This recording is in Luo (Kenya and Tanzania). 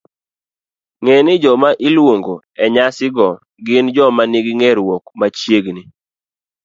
Ng'e ni joma iluongo e nyasi go gin joma nigi ng'eruok machiegni